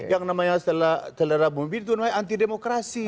yang namanya selera pemimpin itu namanya anti demokrasi